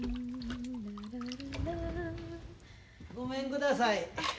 ・ごめんください。